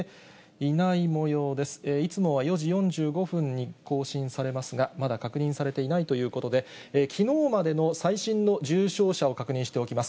いつもは４時４５分に更新されますが、まだ確認されていないということで、きのうまでの最新の重症者を確認しておきます。